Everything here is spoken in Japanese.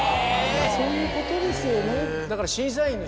そういうことですよね。